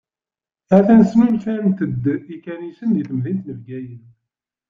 Atan snulfant-d ikanicen di temdint n Bgayet.